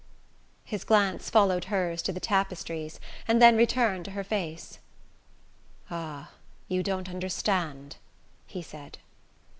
His glance followed hers to the tapestries, and then returned to her face. "Ah, you don't understand," he said.